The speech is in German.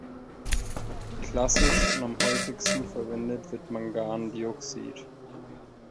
Klassisch und am häufigsten verwendet wird Mangandioxid.